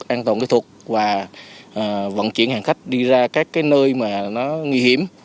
an toàn kỹ thuật và vận chuyển hàng khách đi ra các nơi nghi hiểm